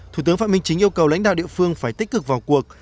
thủ tướng phạm minh chính yêu cầu lãnh đạo địa phương phải tích cực vào cuộc